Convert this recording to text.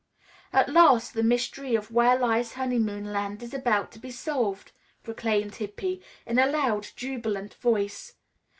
"At last the mystery of 'Where lies honeymoon land?' is about to be solved," proclaimed Hippy, in a loud, jubilant voice.